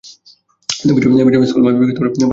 বিজয় মাসে স্কুলে মাসব্যাপী কার্যক্রম পরিচালনা করে।